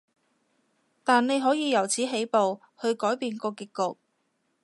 但你可以由此起步，去改變個結局